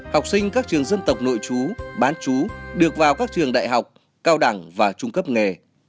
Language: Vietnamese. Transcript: học sinh các trường dân tộc nội chú bán chú được vào các trường đại học cao đẳng và trung cấp nghề